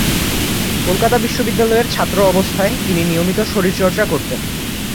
কলকাতা বিশ্ববিদ্যালয়ের ছাত্র অবস্থায় তিনি নিয়মিত শরীরচর্চা করতেন।